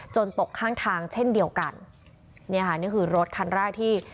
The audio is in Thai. ตกข้างทางเช่นเดียวกันเนี่ยค่ะนี่คือรถคันแรกที่